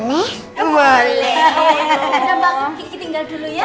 nah mbak kaki tinggal dulu ya